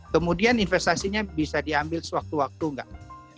kemudian investasinya bisa diambil sewaktu waktu nggak